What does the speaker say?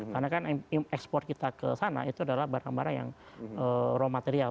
karena kan ekspor kita ke sana itu adalah barang barang yang raw material